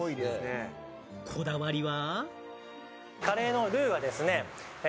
こだわりは。